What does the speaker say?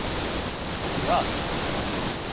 Яҙ